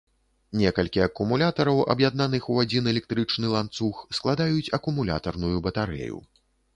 Некалькі акумулятараў, аб'яднаных у адзін электрычны ланцуг, складаюць акумулятарную батарэю.